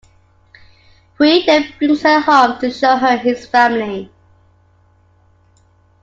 Hui then brings her home to show her his family.